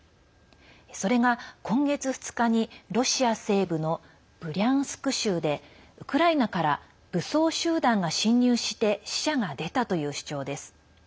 それが今月２日にロシア西部のブリャンスク州でウクライナから武装集団が侵入して死者が出たという主張です。